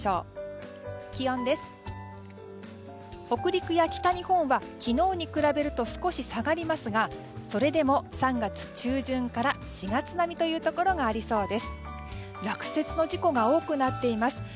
北陸や北日本は昨日に比べると少し下がりますがそれでも、３月中旬から４月並みというところがありそうです。